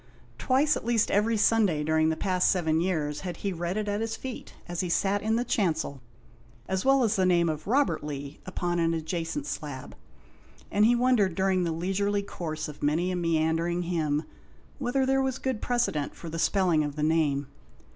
Twice at least every Sunday during the past seven years had he read it at his feet, as he sat in the chancel, as well as the name of Robert Lee upon an adjacent slab, and he had wondered during the leisurely course of many a meandering hymn whether there was good precedent for the spelling of the name.